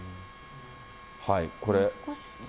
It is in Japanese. これ。